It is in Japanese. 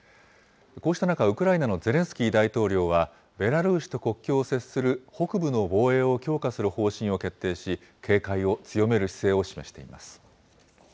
こうした中、ウクライナのゼレンスキー大統領は、ベラルーシと国境を接する北部の防衛を強化する方針を決定し、警戒を強める姿勢を示しています。